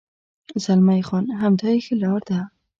زلمی خان: همدا یې ښه لار ده.